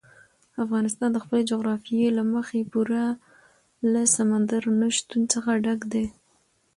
افغانستان د خپلې جغرافیې له مخې پوره له سمندر نه شتون څخه ډک دی.